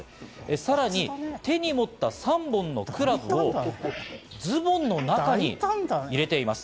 さらに手に持った３本のクラブをズボンの中へ入れています。